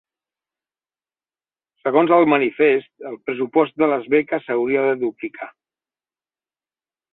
Segons el manifest el pressupost de les beques s'hauria de duplicar.